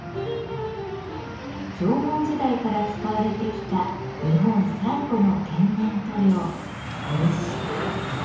縄文時代から使われてきた日本最古の天然塗料漆。